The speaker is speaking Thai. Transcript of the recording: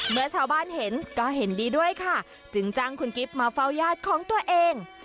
เมื่อชาวบ้านเห็นก็เห็นดีด้วยค่ะจึงจ้างคุณกิฟต์มาเฝ้าญาติของตัวเอง